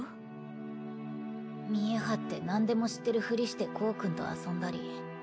見え張って何でも知ってるふりしてコウ君と遊んだり。